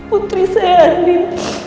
putri saya armin